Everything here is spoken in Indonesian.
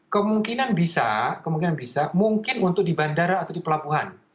kemungkinan bisa mungkin untuk di bandara atau di pelabuhan